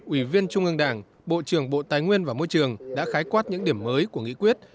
ủy viên trung ương đảng bộ trưởng bộ tài nguyên và môi trường đã khái quát những điểm mới của nghị quyết